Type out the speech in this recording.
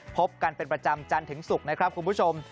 พบกันเป็นประจำจันทร์ถึงศุกร์นะครับคุณผู้ชม